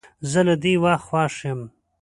زه له دې وخت خوښ یم.